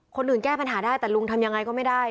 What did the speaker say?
แก้ปัญหาได้แต่ลุงทำยังไงก็ไม่ได้